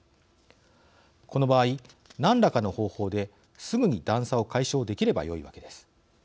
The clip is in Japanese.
この場合、何らかの方法ですぐに段差を解消できればよいわけです。